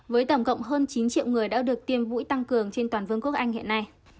với tổng cộng hơn chín triệu người đã được tiêm vũ tăng cường trên toàn vương quốc anh hiện nay